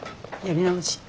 やり直し。